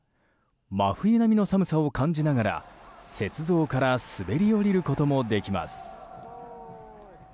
真冬並みの寒さを感じながら雪像から滑り降りることもできます。